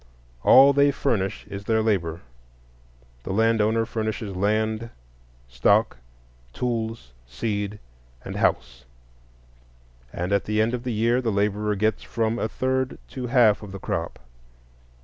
All they furnish is their labor; the land owner furnishes land, stock, tools, seed, and house; and at the end of the year the laborer gets from a third to a half of the crop.